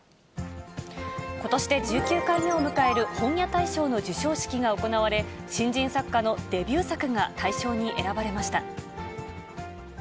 ことしで１９回目を迎える、本屋大賞の授賞式が行われ、新人作家のデビュー作が大賞に選ばれました。